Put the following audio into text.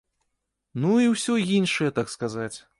Ну і ўсё іншае, так сказаць.